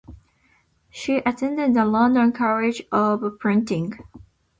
She attended the London College of Printing.